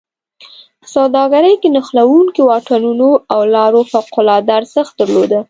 په سوداګرۍ کې نښلوونکو واټونو او لارو فوق العاده ارزښت درلوده.